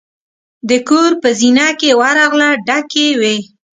د کور په زینه کې ورغله ډکې وې.